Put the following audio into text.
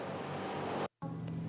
mặt túy vẫn đang lên